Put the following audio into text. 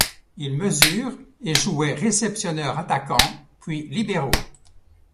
Il mesure et jouait réceptionneur-attaquant puis libero.